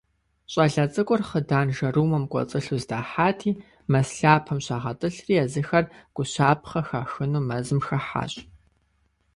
Щӏалэ цӏыкӏур хъыданжэрумэм кӏуэцӏылъу здахьати, мэз лъапэм щагъэтӏылъри, езыхэр гущапхъэ хахыну мэзым хыхьащ.